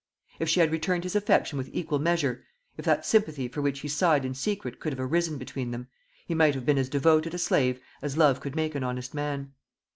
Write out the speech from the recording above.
If she had returned his affection with equal measure, if that sympathy for which he sighed in secret could have arisen between them, he might have been as devoted a slave as love could make an honest man.